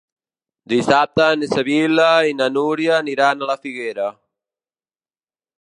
Dissabte na Sibil·la i na Núria aniran a la Figuera.